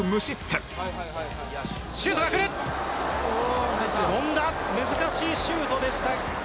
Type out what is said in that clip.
権田難しいシュートでした。